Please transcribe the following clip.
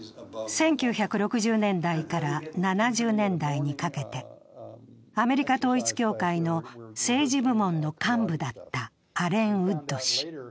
１９６０年代から７０年代にかけてアメリカ統一教会の政治部門の幹部だったアレン・ウッド氏。